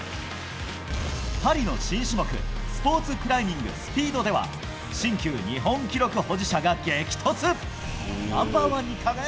パリの新種目、スポーツクライミング、スピードでは、新旧日本記録保持者が激突。